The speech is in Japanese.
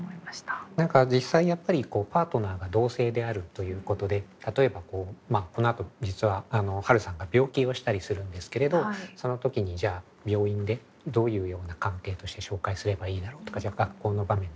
実際やっぱりパートナーが同性であるということで例えばこのあと実は春さんが病気をしたりするんですけれどその時にじゃあ病院でどういうような関係として紹介すればいいだろうとか学校の場面